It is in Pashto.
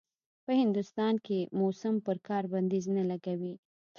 په هندوستان کې موسم پر کار بنديز نه لګوي.